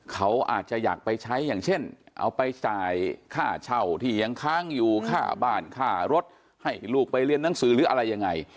เขาอาจจะอยากไปใช้อย่างเช่นเอาไปจ่ายค่าเช่าที่ยังค้างอยู่ค่าบ้านค่ารถให้ลูกไปเรียนหนังสือหรืออะไรยังไง